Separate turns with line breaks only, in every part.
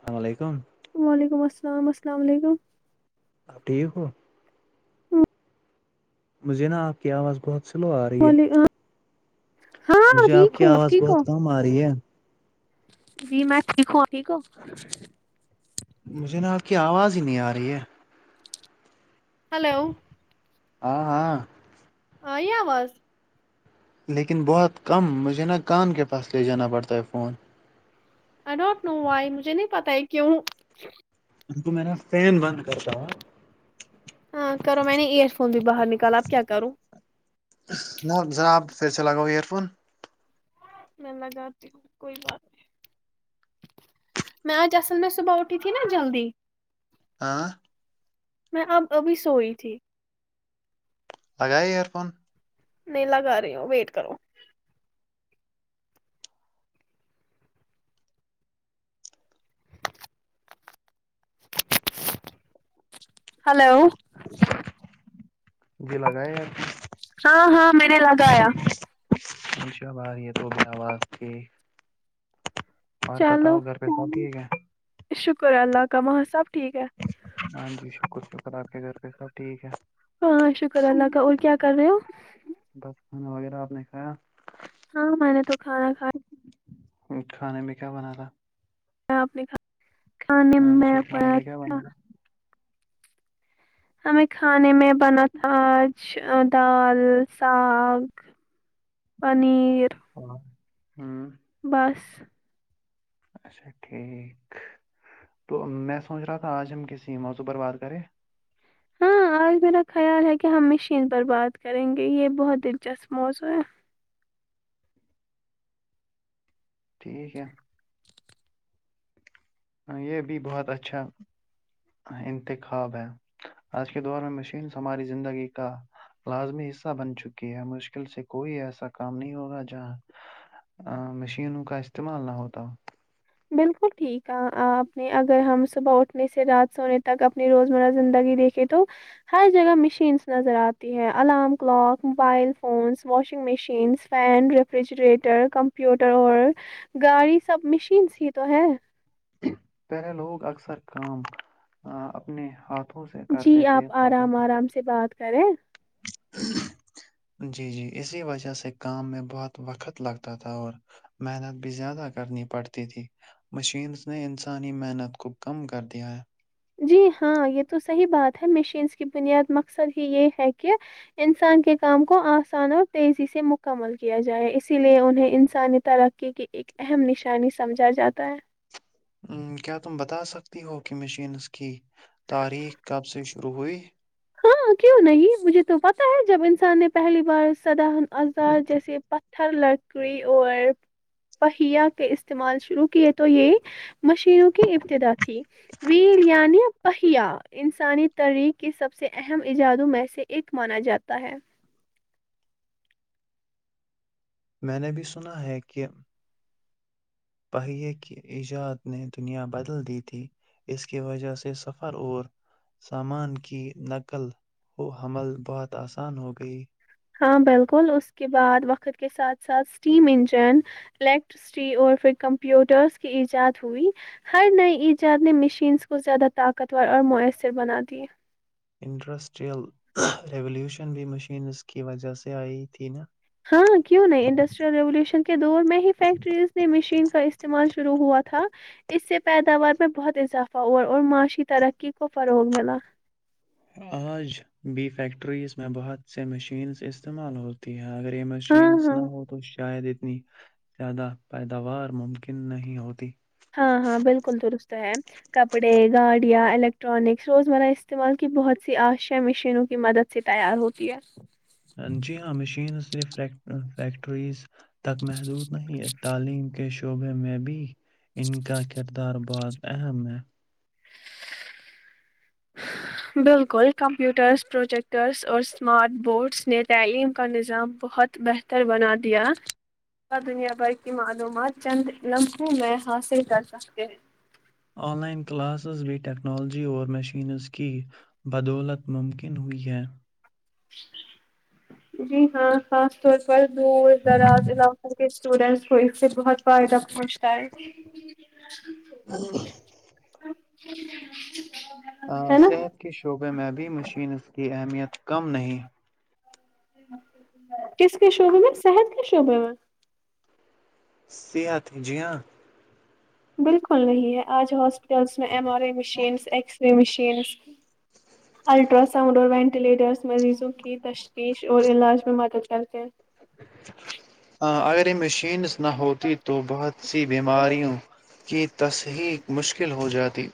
السلام علیکم
وعلیکم السلام السلام علیکم
آپ ٹھیک ہو مجھے نا آپ کی آواز بہت سلو آ رہی ہے
وعلی- ہاں
مجھے آپ
ٹھیک
کی
ہوں
آواز
ٹھیک ہو
بہت کم آ رہی ہے
جی میں ٹھیک ہو آپ ٹھیک ہوں
مجھے نا آپ کی آواز ہی نہیں آ رہی ہے
ہلو
ہاں ہاں
ائی آواز
لیکن بہت کم مجھے نا کان کے پاس لے جانا پڑتا ہے phone
I don't know why مجھے نہیں پت ہے کیوں
رکو میرا فین بند کرتا ہو ہاں
ہاں کرو میں نے ایئر فون بھی باہر نکالا اب کیا کروں
نہ جناب پھر سے لگاو ایر فون
میں لگاتی ہوں کوئی بات نہیں میں آج اصل میں صبح اٹھی تھی نا جلدی
آاں
میں اب ابھی سوئی تھی
لگائی ایئر فون
نہیں لگا رہی ہو ویٹ کرو ہلو
یہ لگائے آپ
ہاں ہاں میں نے لگایا
اچھا بھائی یہ تو بنا آواز کے اور بتاؤ
چلو
گھر پے سب ٹھیک ہے
شکر اللہ کا وہاں سب ٹھیک ہے
ہاں جی شکر شکر آپ کے گھر پے سب ٹھیک ہے
ہاں شکر اللہ کا اور کیا کر رہے ہو
بس کھانا وغیرہ آپ نے کھایا
ہاں میں نے تو کھانا کھایا
کھانے میں کیا بنا تھا
اپ نے کھایا کھانے
ہاں جی
میں پ
کھانے کیا بنا ہے؟
ہمیں کھانے میں بنا تھا آج دال ساگ پنیر
ہاں ہوں
بس
اچھا ٹھیک تو میں سوچ رہا تھا آج ہم کسی موضوع پر بات کریں
ہاں آج میرا خیال ہے کہ ہم مشین پر بات کریں گے یہ بہت دلچسپ موضوع ہے
ٹھیک ہے ہاں یہ بھی بہت اچھا انتخاب ہے آج کے دور میں مشینس ہماری زندگی کا لازمی حصہ بن چکی ہے مشکل سے کوئی ایسا کام نہیں ہوگا جہاں ا مشینوں کا استعمال نہ ہوتا ہو
بالکل ٹھیک ہے آپ نے اگر ہم صبح اٹھنے سے رات سونے تک اپنی روزمرہ زندگی دیکھ کے تو ہر جگہ مشینس نظر آتی ہے alarm clock mobile phones washing machines fan refrigerator computer اور گاڑی سب مشینس ہی تو ہے
پہلے لوگ اکثر کام آ اپنے ہاتھ
جی آپ آرام آرام سے بات کریں
[unintelligible] جی جی اسی وجہ سے کام میں بہت وقت لگتا تھا اور محنت بھی زیادہ کرنی پڑتی تھی مشینس نے ان سانی محنت کو کم کر دیا ہے
جی ہاں یہ تو صحیح بات ہے مشینس کی بنیاد مقصد ہی یہ ہے کہ انسان کے کام کو آسان اور تیزی سے مکمل کیا جائے اسی لیے انہیں انسانی تر قی کی ایک اہم نشانی سمجھا جاتا ہے
وں کیا تم بتا سکتی ہو کہ مشینس کی تاریخ کب سے شروع ہوئی
ہاں کیوں نہیں مجھے تو پتہ ہے جب انسان نے پہلی بار سدا آوزار جیسے پتھر لکڑی اور پہیا کے استعمال شروع کیے تو یہ مشینوں کی ابتدا تھی ویل یعنی پہیا انسانی تاریخ کی سب سے اہم ایجادوں میں سے ایک مانا جاتا ہے
میں نے بھی سنا ہے کہ پہیے کی ایجاد نے دنیا بدل دی تھی اس کی وجہ سے سفر اور سامان کی نقل و حمل بہت آسان ہو گئی
ہاں بالکل اس کے بعد وقت کے ساتھ ساتھ اسٹیم انجن الیکٹرسٹی اور پھر کمپیوٹرس کی ایجاد ہوئی ہر نئے ایجاد نے مشینس کو زیادہ طاقتور اور میسر بنا دیے
انڈسٹریل ریلیوشن بھی مشینس کی وجہ سے آئی تھی نا
ہاں کیوں نہیں انڈسٹریل ریوولوشن کے دور میں ہی فیکٹریز نے مشین کا استعمال شروع ہوا تھا اس سے پیداوار میں بہت اضافہ ہوا اور معاشی ترقی کو فروغ ملا
آج بی فییکٹریس میں بہت سے مشینز استعمال ہو ہاں اگر یہ
ہاں
مشینس
ہاں
نا ہو تو شاید اتنی زیادہ پیداوار ممکن نہیں ہوتی
ہاں ہاں بالکل درست ہے کپڑے گاڑیاں الیکٹرانکس روزمرہ استعمال کی بہت سی آشیا مشینوں کی مدد سے تیار ہوتی ہے
جی ہاں مشین سے فیکٹریز تک محدود نہیں ہے تعلیم کے شعبے میں بھی ان کا کردار بہت اہم ہے
بالکل کمپیوٹرس پروجیکٹرس اور اسمارٹ بورڈس نے تعلیم کا نظام بہت بہ تر بنا دیا کیا دنیا بھر کی معلومات چند لمحوں میں حاصل کر سکتے ہیں
آن لائن کلاسز بی ٹیکنالجی اور میشینز کی بدولت ممکن ہوئی ہے
جی ہاں خاص طور پر دور دراز علاقوں کے اسٹوڈینٹس کو اس سے بہت فائدہ پہنچتا ہے
ا
ہے نا
صحت کے شعبے میں بھی مشینس کی اہمیت کم نہیں
کس کےشعبے میں صحت کی شعبے میں
صحت جی ہاں
بالکل نہیں ہے آج ہاسپٹلس میں M R I machines X کے مشینس الٹراساؤنڈ اور وینٹیلیٹرس مریضوں کی وپش اور علاج میں مدد کرتے
ہاں اگر یہ مشینس نہ
ہیں
ہوتی تو بہت سی بیماریوں کی تصحیق مشکل ہو جاتی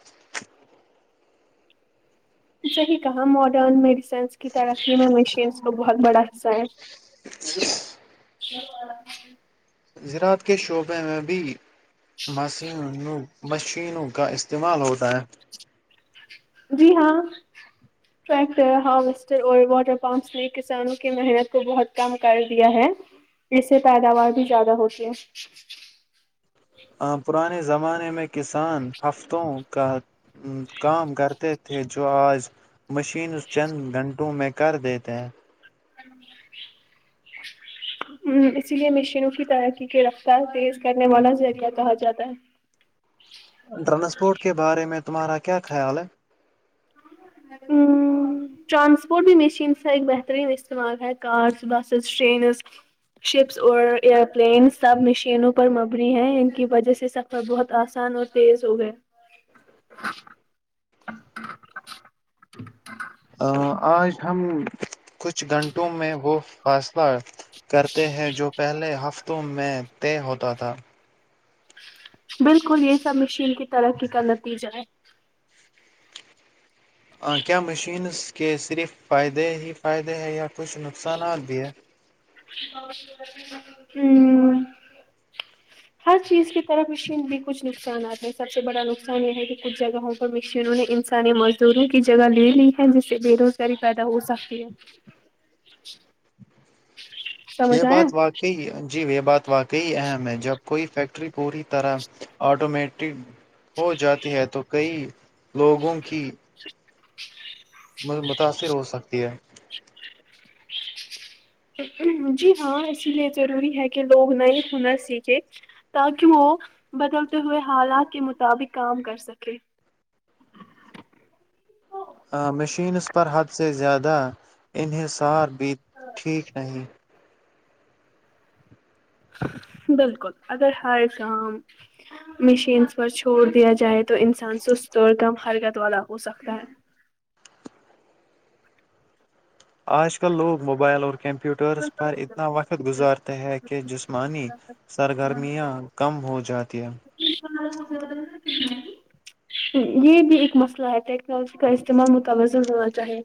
صحی کہاں ماڈرن میڈیسنس کی ترقی میں مشینس کو بہت بڑا سر
زراعت کے شعبے میں بھی مشین مشینوں کا استعمال ہوتا ہے
جی ہاں فیکٹر ہاروسٹر اور واٹر پمپس نے کسانوں کی محنت کو بہت کم کر دیا ہے اس سے پیداوار بھی زیادہ ہوتی ہے
پرانے زمانے میں کسان ہفتوں کا کام کرتے تھے جو آج مشینس چند گھنٹوں میں کر دیتے ہیں
ھمم اسی لیے مشینوں کی ترقی کی رفتار تیز کرنے والا ذریعہ کہا جاتا ہے
ٹرانسپورٹ کے بارے میں تمہارا کیا خیال ہے
ھمم ٹرانسپورٹ بھی مشین کا ایک بہترین استعمال ہے کارس بسیز ٹرینز شپس اور ایئروپلین سب مشینوں پر مبنی ہیں ان کی وجہ سے سب تو بہت آسان اور تیز ہو گئے
آج ہم کچھ گھنٹوں میں وہ فاصلہ کرتے ہیں جو پہلے ہفتوں میں طے ہوتا تھا
بالکل یہ سب مشین کی ترقی کا نتیجہ ہے
کیا مشینز کے صرف فائدے ہی فائدے ہیں یا کچھ نقصانات بھی ہے
ہممم ہر چیز کی طرف مشین بھی کچھ نقصانات ہیں سب سے بڑا نقصان یہ ہے کہ کچھ جگہ مشینوں نے انسانی مزدوروں کی جگہ لے لی ہے جس سے بے روزگاری پیدا ہو سکتی ہے
یہ
سمجھ آیا
بات واقعی جی یہ بات واقعی اہم ہے جب کوئی فیکٹری پوری طرح آٹومیٹک ہو جاتی ہے تو کئی لوگوں کی متاثر ہو سکتی ہے
جی ہاں اسی لیے ضروری ہے کہ لوگ نئی ہنر سیکھے تاکہ وہ بدلتے ہوئے حالات کے مطابق کام کر سکے
مشینس پر حد سے زیادہ انحصار بھی ٹھیک نہیں
بالکل اگر ہر کام مشینس پر چھوڑ دیا جائے تو تو انسان سست اور کم حرکت والا ہو سکتا ہے
آج کل لوگ موبائل اور کمپیوٹرس پر اتنا وقت گزارتے ہے کہ جسمانی سرگرمیاں کم ہو جاتی ہیں
یہ بھی ایک مسئلہ ہے گز کا استعمال متوازن ہونا چاہیے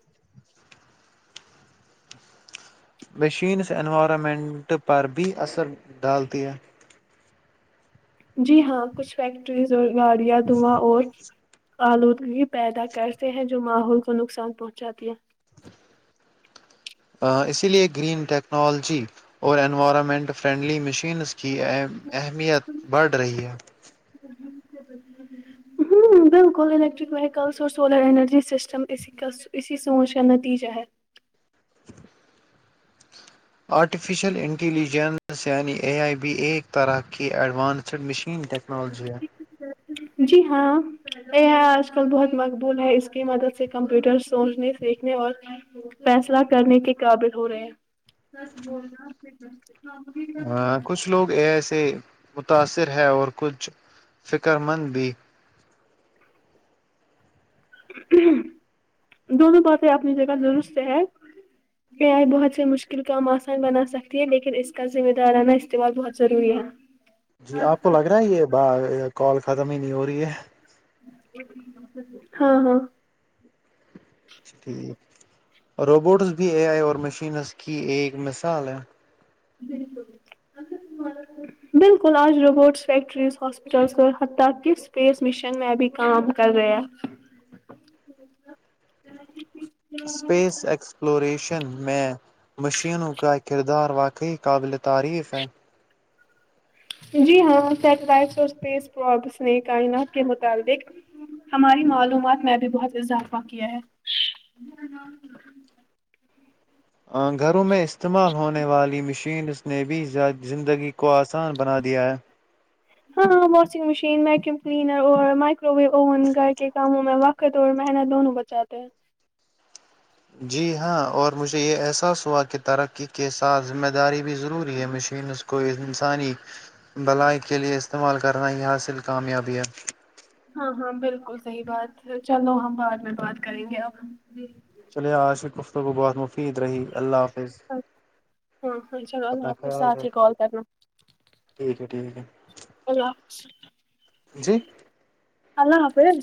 مشینس انوائرمنٹ پر بھی اثر ڈالتی ہے
جی ہاں کچھ فیکٹریز اور گاڑیاں دھواں اور آلودگی پیدا کرتے ہیں جو ماحول کو نقصان پہنچاتی ہے
اسی لیے گرین ٹیکنالوجی اور انوائرمنٹ فرینڈلی مشینس کی اہمیت بڑھ رہی ہے
ہوں بالکل الیکٹرک وہیکلس اور سولر انرجی سسٹم کس اسی سوچ کا نتیجہ ہے
آرٹیفیشیل انٹیلیجنس یعنی اے آئی بی ایک طرح کی ایڈوانسڈ مشین ٹیک ٹیکنالجی ہے
جی ہاں اے آئی آج کل بہت مقبول ہے اس کی مدد سے کمپیوٹر سوچنے سیکھنے اور فیصلہ کرنے کے قابل ہو رہے ہیں پھر
کچھ لوگ ایسے متاثر ہے اور کچھ فکر مند بھی
دونوں باتیں اپنی جگہ درست ہے اے آئی بہت سے مشکل کام آسان بنا سکتی ہے لیکن اس کا ذمہ دارانہ استعمال بہت ضروری ہے
جی آپ کو لگ رہا ہے یہ با کال ختم ہی نہیں ہو رہی ہے
ہاں ہاں
ٹھیک روبوٹس بھی اے آئے اور مشینس اسکی ایک مثال ہے
بالکل [unintelligible] بالکل آج روبوٹس فیکٹریز ہاسپیٹلس حتی اسپیس مشن میں بھی کام کر رہے ہیں
اسپیس ایکسپلوریشن میں مشینوں کا کردار واقعی قابل تعریف ہے
جی ہاں سیٹلائٹس اور اسپیس پروپس نے کائنات کے متعلق ہماری معلومات میں ابھی بہت اضافہ کیا ہے
آ گھروں میں استعمال ہونے والی مشینس نے بھی ذا زندگی کو آسان بنا دیا ہے
ہاں ہاں واشنگ مشین ویکیوم کلینر اور مائکرو ویو اوون گھر کے کاموں میں و قت اور محنت دونوں بچاتے ہیں
جی ہاں اور مجھے یہ احساس ہوا کہ ترقی کے ساتھ ذمہ داری بھی ضروری ہے مشینس کو انسانی بھلائی کے لئے استعمال کرنا یہ حاصل کامیابی ہے
ہاں ہاں بالکل صحیح بات ہے چلو ہم بعد میں بات کریں گے آپ سے
چلئیے آج گفتگو بہت مفید رہی اللہ حافظ
ہاں انشاء اللہ اللہ
اپنا
حافظ
خیال
ساتھ ہی
رکھنا
کال کرنا
ٹھیک ہے ٹھیک ہے
اللہ حافظ
جی
اللہ حافظ